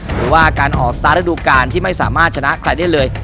หรือว่าการออกสตาร์ทระดูการที่ไม่สามารถชนะใครได้เลย